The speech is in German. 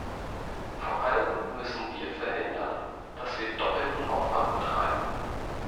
Vor allem müssen wir verhindern, dass wir doppelten Aufwand betreiben.